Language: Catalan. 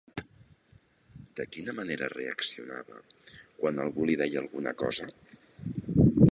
De quina manera reaccionava quan algú li deia alguna cosa?